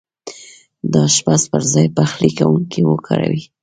د اشپز پر ځاي پخلی کونکی وکاروئ